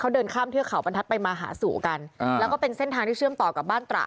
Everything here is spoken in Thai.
เดินข้ามเที่ยวเขาบรรทัศไปมาหาสู่กันแล้วก็เป็นเชื่อมต่อกับบ้านตระ